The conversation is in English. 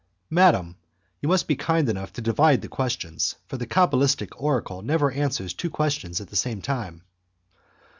"Madam, you must be kind enough to divide the questions, for the cabalistic oracle never answers two questions at the same time."